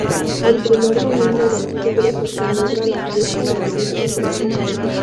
El primer domingo de octubre se celebra la fiesta de la Virgen del Rosario.